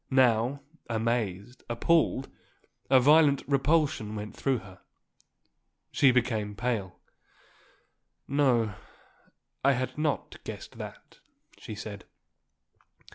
Now, amazed, appalled, a violent repulsion went through her. She became pale. "No. I had not guessed that," she said.